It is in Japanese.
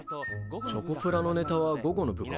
チョコプラのネタは午後の部か。